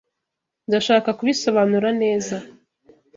Ndashaka kubisobanura neza.